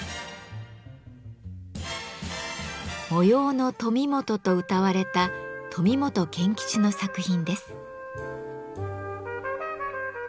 「模様の富本」とうたわれた富本憲吉の作品です。